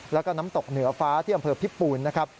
แล้วก็น้ำตกเหนือฟ้าที่อำเภอพิปูนนะครับ